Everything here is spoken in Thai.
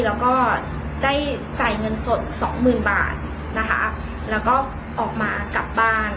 แล้วก็ได้จ่ายเงินสดสองหมื่นบาทนะคะแล้วก็ออกมากลับบ้าน